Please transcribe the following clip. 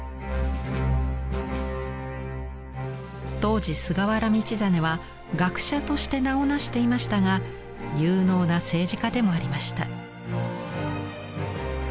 当時菅原道真は学者として名を成していましたが有能な政治家でもありました。